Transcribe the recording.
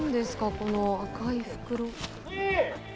この赤い袋。